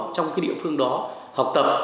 trong cái địa phương đó học tập